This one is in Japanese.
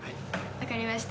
分かりました。